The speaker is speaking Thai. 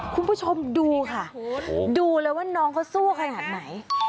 คุณผู้ชมดูค่ะดูเลยว่าน้องเขาสู้ขนาดไหน